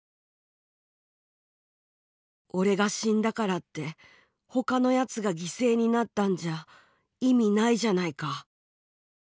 俺が死んだからって他のヤツが犠牲になったんじゃ意味ないじゃないか。